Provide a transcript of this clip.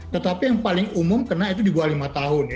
tetapi yang paling umum kena itu di bawah lima tahun